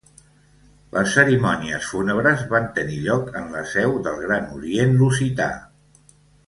Les cerimònies fúnebres van tenir lloc en la seu del Gran Orient Lusità.